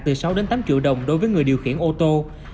từ sáu đến tám triệu đồng đối với người điều khiển ô tô